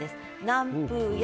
「南風や」